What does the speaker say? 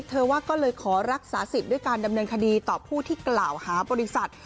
ว่าก็เลยขอรักษาสิทธิ์ด้วยการดำเนินคดีต่อผู้ที่กล่าวหาบริษัท